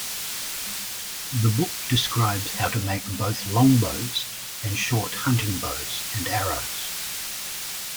The book describes how to make both longbows and short hunting bows and arrows.